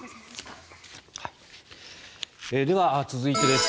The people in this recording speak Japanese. では続いてです。